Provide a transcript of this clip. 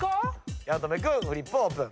八乙女君フリップオープン。